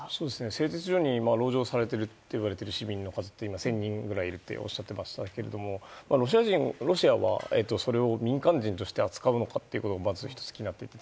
製鉄所に籠城されているといわれている市民の数が１０００人ぐらいいるとおっしゃっていましたがロシア人ロシアはそれを民間人として扱うのかということがまず１つ気になっていて。